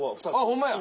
ホンマや！